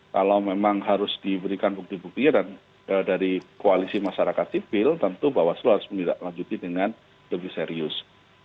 kalau memang harus diberikan bukti bukti dan dari koalisi masyarakat sipil tentu bawaslu harus menindaklanjuti dengan lebih serius